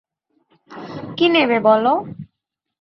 কী নেবে বলো?